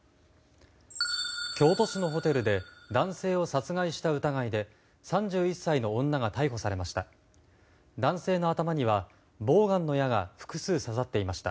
京都市のホテルで男性を殺害した疑いで３１歳の女が逮捕されました。